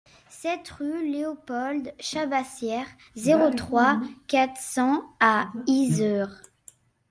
sept rue Léopold Chabassière, zéro trois, quatre cents à Yzeure